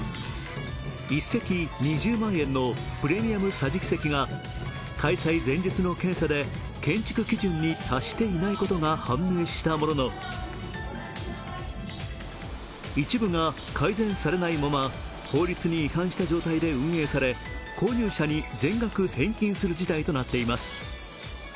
１席２０万円のプレミアム桟敷席が開催前日の検査で建築基準に達していないことが判明したものの、一部が改善されないまま、法律に違反した状態で運営され、購入者に全額返金する事態となっています。